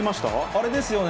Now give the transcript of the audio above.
あれですよね。